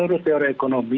karena dalam dalam ekonomi